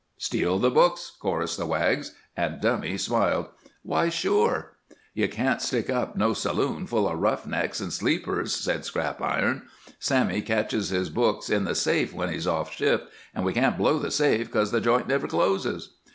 "Steal the books!" chorused the Wags; and Dummy smiled. "Why, sure." "You can't stick up no saloon full of rough necks and sleepers," said Scrap Iron. "Sammy caches his books in the safe when he's off shift, and we can't blow the safe, 'cause the joint never closes."